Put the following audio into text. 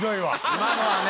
今のはね。